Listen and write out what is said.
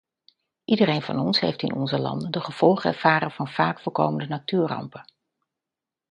Ieder van ons heeft in onze landen de gevolgen ervaren van vaak voorkomende natuurrampen.